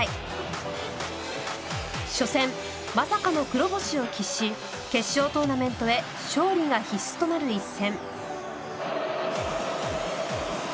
初戦まさかの黒星を喫し決勝トーナメントへ勝利が必須となる一戦。